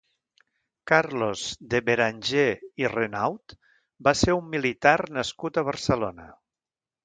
Carlos de Beranger i Renaud va ser un militar nascut a Barcelona.